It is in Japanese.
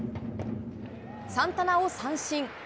サンタナを三振。